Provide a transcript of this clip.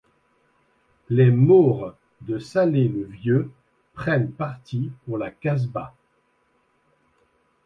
Les Maures de Salé-le-Vieux prennent partis pour la Kasbah.